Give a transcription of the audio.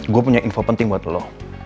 gue punya info penting buat lo